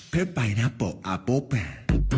เพียบไปนับโปอาโบแป